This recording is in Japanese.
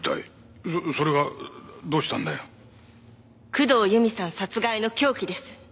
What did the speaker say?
工藤由美さん殺害の凶器です。